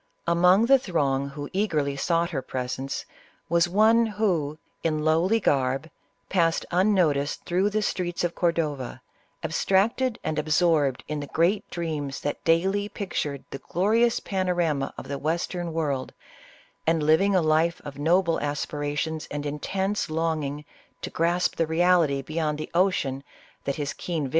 Among the throng who eagerly sought her presence, was one who, in lowly garb, passed uirhoticed through the streets of Cordova, attracted and absorbed in the great dreams that daily pictured the glorious panorama of the Western World, and living a life of noble aspirations and intense long ing to grasp the reality beyond the ocean that his keen vi.